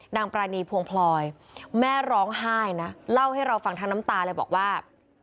ปรานีพวงพลอยแม่ร้องไห้นะเล่าให้เราฟังทั้งน้ำตาเลยบอกว่า